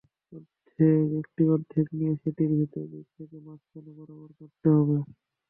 একটি অর্ধেক নিয়ে সেটির ভেতর দিক থেকে মাঝখান বরাবর কাটতে হবে।